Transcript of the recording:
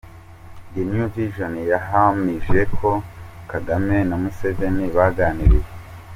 The new Vision yahamije ko Kagame na Museveni baganiriye.